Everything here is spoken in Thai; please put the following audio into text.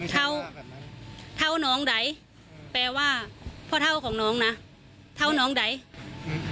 เท่าน้องไหนแปลว่าพ่อเท่าของน้องนะเท่าน้องไหน